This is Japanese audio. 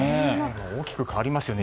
大きく変わりますね。